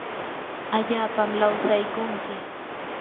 allapam lawsaykunki